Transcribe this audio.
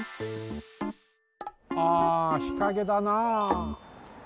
ああ日陰だなあ。